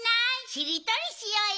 しりとりしようよ。